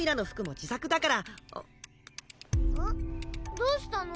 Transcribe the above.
どうしたの？